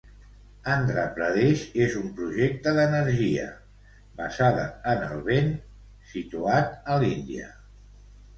Andra Pradesh és un projecte d'energia basada en el vent situat a l'Índia.